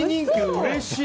うれしい。